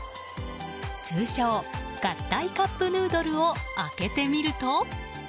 通称合体カップヌードルを開けてみると。